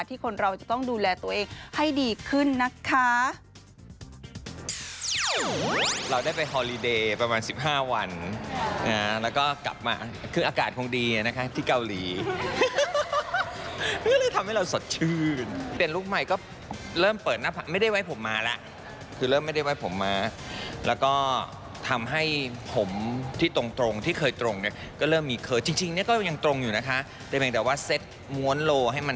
คนเราจะต้องดูแลตัวเองให้ดีขึ้นนะคะ